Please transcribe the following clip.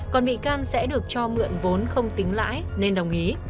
còn bị can sẽ được cho mượn vốn không tính lãi nên đồng ý